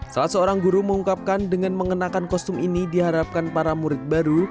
salah seorang guru mengungkapkan dengan mengenakan kostum ini diharapkan para murid baru